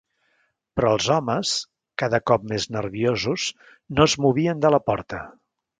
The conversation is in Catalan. Però els homes, cada cop més nerviosos, no es movien de la porta.